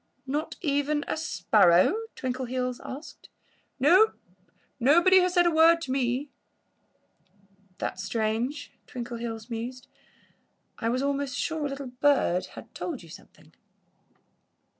"Not even a sparrow?" Twinkleheels asked. "No! Nobody has said a word to me." "That's strange," Twinkleheels mused. "I was almost sure a little bird had told you something."